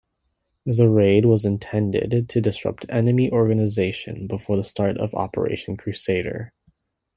The raid was intended to disrupt enemy organisation before the start of Operation Crusader.